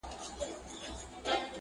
له ډېر غمه یې څښتن سو فریشانه.